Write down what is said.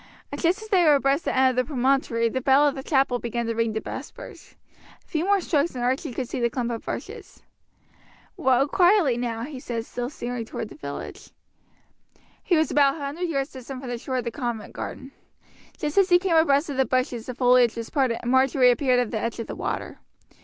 Just as they were abreast the end of the promontory the bell of the chapel began to ring the vespers. A few more strokes and Archie could see the clump of bushes. "Row quietly now," he said, still steering toward the village. He was about a hundred yards distant from the shore of the convent garden. Just as he came abreast of the bushes the foliage was parted and Marjory appeared at the edge of the water.